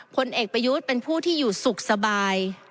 ผลเอกประยุทธ์เป็นผู้ที่อยู่สุขสบาย